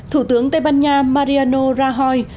thủ tướng tây ban nha mariano rajoy